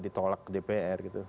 ditolak ke dpr gitu